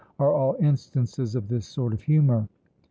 are all instances of this sort of humour.